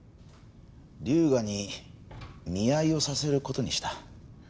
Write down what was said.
龍河に見合いをさせる事にした。